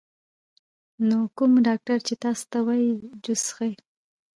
نو کوم ډاکټران چې تاسو ته وائي جوس څښئ